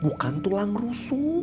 bukan tulang rusuk